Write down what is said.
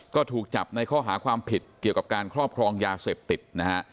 ก็ถูกจับในข้อหาความผิดเกี่ยวกับการครอบครองยาเสพติดนะฮะ